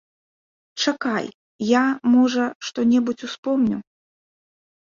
Чакай, я, можа, што-небудзь успомню.